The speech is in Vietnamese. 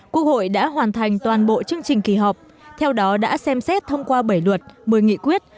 quốc hội đã hoàn thành toàn bộ chương trình kỳ họp theo đó đã xem xét thông qua bảy luật một mươi nghị quyết